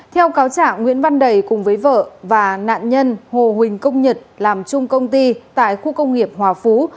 theo cáo trả nguyễn văn đầy cùng với vợ và nạn nhân hồ huỳnh công nhật làm chung công ty tại khu công nghiệp hòa phú